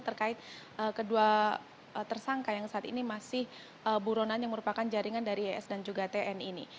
terkait kedua tersangka yang saat ini masih buronan yang merupakan jaringan dari es dan juga tn ini